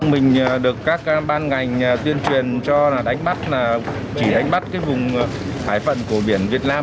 mình được các ban ngành tuyên truyền cho đánh bắt chỉ đánh bắt vùng hải phận của biển việt nam